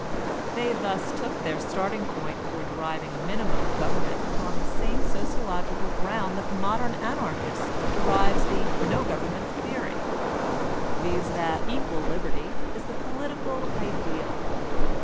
They thus took their starting point for deriving a min imum of government upon the same sociological ground diat the modem Anarchist derives the no government theory ; viz., that equal liberty is the political ideal.